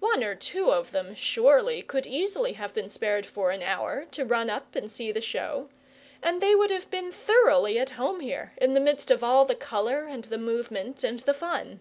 One or two of them, surely, could easily have been spared for an hour, to run up and see the show; and they would have been thoroughly at home here, in the midst of all the colour and the movement and the fun.